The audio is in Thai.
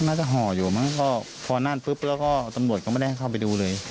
ห่ออยู่มั้งก็พอนั่นปุ๊บแล้วก็ตำรวจก็ไม่ได้เข้าไปดูเลย